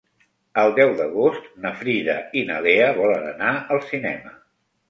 El deu d'agost na Frida i na Lea volen anar al cinema.